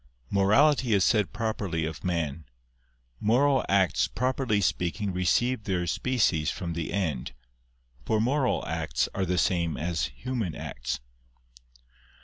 "morality is said properly of man," moral acts properly speaking receive their species from the end, for moral acts are the same as human acts.